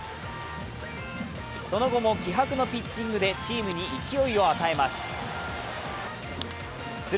その後も気迫のピッチングでチームに勢いを与えます。